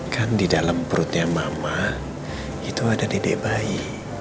kan di dalam perutnya mama itu ada dedek bayi